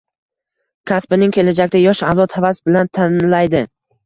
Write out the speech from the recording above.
Kasbining kelajakda yosh avlod havas bilan tanlaydi.